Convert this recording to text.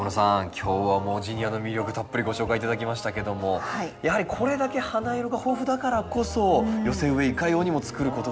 今日はジニアの魅力たっぷりご紹介頂きましたけどもやはりこれだけ花色が豊富だからこそ寄せ植えいかようにも作ることができるんですね。